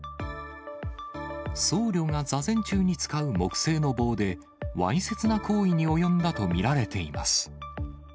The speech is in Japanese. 僧侶が座禅中に使う木製の棒で、わいせつな行為に及んだと見られています。